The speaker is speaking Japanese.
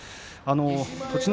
栃ノ